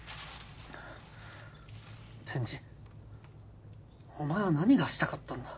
天智お前は何がしたかったんだ？